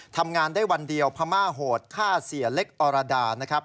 ทำงานได้วันเดียวพม่าโหดฆ่าเสียเล็กอรดานะครับ